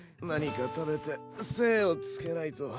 何か食べて精をつけないと。